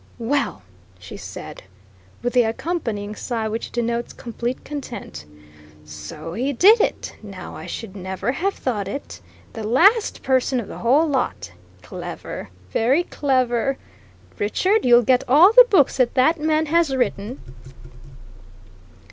"Well!" she said, with the accompanying sigh which denotes complete content. "So he did it! Now, I should never have thought it! The last person of the whole lot! Clever very clever! Richard, you'll get all the books that that man has written!"